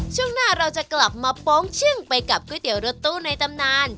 ช่วงหน้าเราจะกลับมาโป๊งเชื่องไปกับก๋วยเตี๋ยวรถตู้ในตำนาน